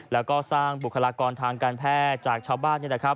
และก็สร้างบุคลากรางการแพทย์ในชาวบ้าน